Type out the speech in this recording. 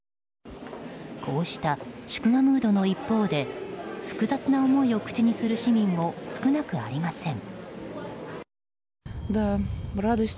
こうした祝賀ムードの一方で複雑な思いを口にする市民も少なくありません。